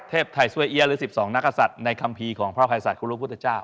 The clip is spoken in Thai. เทพไทยสวยเอี๊ยหรือ๑๒นักศัตริย์ในคัมภีร์ของพระอภัยศาสกุลพุทธเจ้า